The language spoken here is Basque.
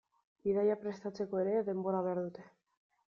Bidaia prestatzeko ere denbora behar dute.